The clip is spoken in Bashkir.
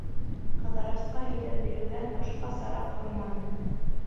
Ҡыҙырасҡа һөйләп биреүҙән башҡа сара ҡалманы.